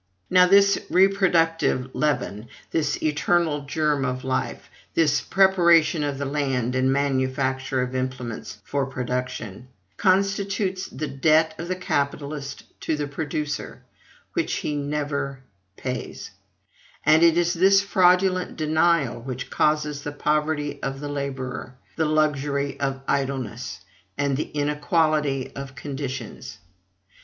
Now, this reproductive leaven this eternal germ of life, this preparation of the land and manufacture of implements for production constitutes the debt of the capitalist to the producer, which he never pays; and it is this fraudulent denial which causes the poverty of the laborer, the luxury of idleness, and the inequality of conditions.